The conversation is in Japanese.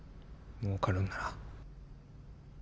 もうかるんなら。